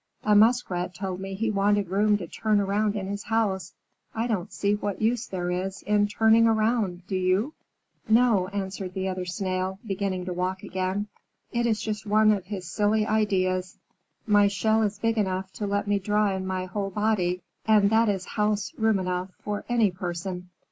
A Muskrat told me he wanted room to turn around in his house. I don't see what use there is in turning round, do you?" "No," answered the other Snail, beginning to walk again. "It is just one of his silly ideas. My shell is big enough to let me draw in my whole body, and that is house room enough for any person!"